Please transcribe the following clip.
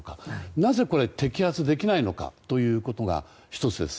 なぜ摘発できないのかということが１つです。